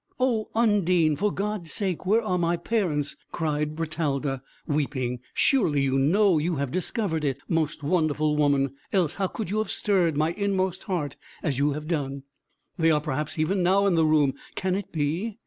"O Undine, for God's sake, where are my parents?" cried Bertalda, weeping. "Surely you know, you have discovered it, most wonderful woman; else how could you have stirred my inmost heart as you have done? They are perhaps even now in the room can it be?"